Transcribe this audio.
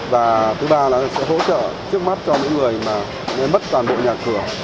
và thứ ba là sẽ hỗ trợ trước mắt cho những người mà mất toàn bộ nhà cửa